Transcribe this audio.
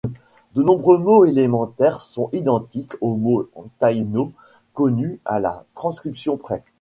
De nombreux mots élémentaires sont identiques aux mots taïno connus à la transcription près.